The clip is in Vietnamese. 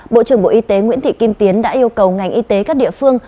bộ trưởng bộ y tế nguyễn thị kim tiến đã yêu cầu ngành y tế các địa phương